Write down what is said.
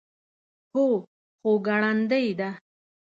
هو، خو ګړندۍ ده